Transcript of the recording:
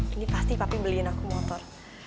ini pasti tapi beliin aku motor